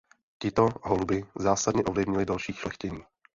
Tito holubi zásadně ovlivnili další šlechtění.